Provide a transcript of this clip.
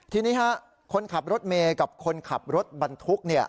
ทีนี้คนขับรถเมย์กับคนขับรถบรรทุก